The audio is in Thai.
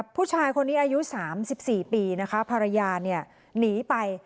ผู้ชายคนนี้อายุ๓๔ปีนะคะภรรยาเนี่ยหนีไป